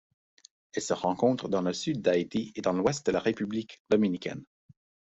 Elle se rencontre dans le Sud d'Haïti et dans l'ouest de la République dominicaine.